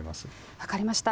分かりました。